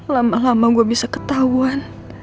lama lama gue bisa ketahuan